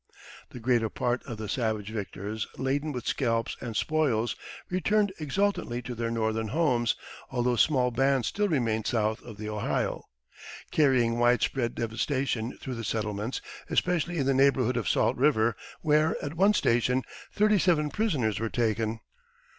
The greater part of the savage victors, laden with scalps and spoils, returned exultantly to their northern homes, although small bands still remained south of the Ohio, carrying wide spread devastation through the settlements, especially in the neighborhood of Salt River, where, at one station, thirty seven prisoners were taken.